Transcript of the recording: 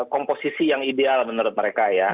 komposisi yang ideal menurut mereka ya